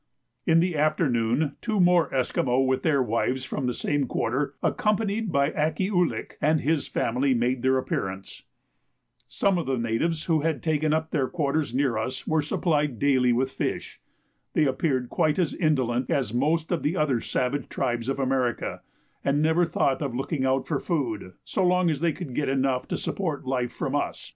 In the afternoon two more Esquimaux with their wives from the same quarter, accompanied by Akkee ou lik and his family, made their appearance. Some of the natives who had taken up their quarters near us were supplied daily with fish. They appeared quite as indolent as most of the other savage tribes of America, and never thought of looking out for food, so long as they could get enough to support life from us.